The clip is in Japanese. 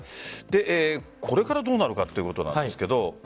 これからどうなるかということなんですが。